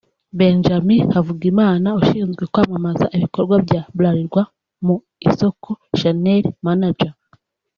Benjamin Havugimana ushinzwe kwamamaza ibikorwa bya Bralirwa ku isoko(channel Manager)